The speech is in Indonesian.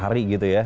lari lari gitu ya